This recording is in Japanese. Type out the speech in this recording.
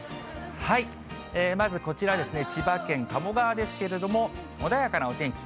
まずこちらですね、千葉県鴨川ですけれども、穏やかなお天気。